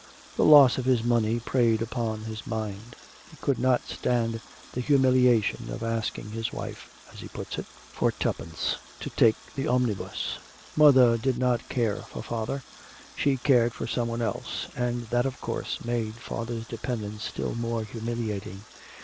The loss of his money preyed upon his mind; he could not stand the humiliation of asking his wife, as he puts it, for twopence to take the omnibus. Mother did not care for father, she cared for some one else, and that of course made father's dependence still more humiliating.